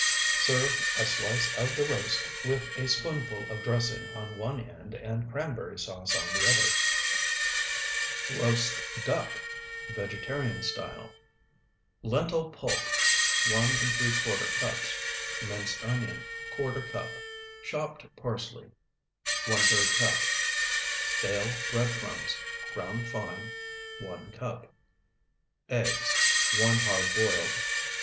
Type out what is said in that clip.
Serve a slice of the roast with a spoonful of dressing on one end and cranberry sauce on the other. ROAST DUCK (VEGETARIAN STYLE) Lentil pulp, 1¾ cups. Minced onion, ¼ cup. Chopped parsley, ⅓ cup. Stale bread crumbs, ground fine, 1 cup. Eggs (one hard boiled), 3.